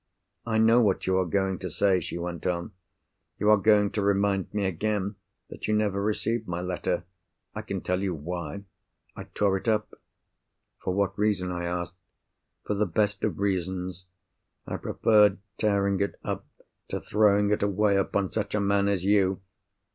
"I know what you are going to say," she went on. "You are going to remind me again that you never received my letter. I can tell you why. I tore it up. "For what reason?" I asked. "For the best of reasons. I preferred tearing it up to throwing it away upon such a man as you!